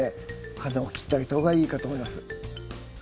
花を切ってあげた方がいいかと思います。